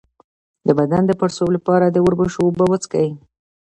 د بدن د پړسوب لپاره د وربشو اوبه وڅښئ